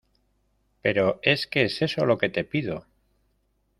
pero es que es eso lo que te pido.